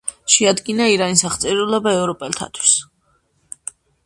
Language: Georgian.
შეადგინა ირანის აღწერილობა ევროპელთათვის.